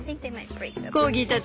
コーギーたち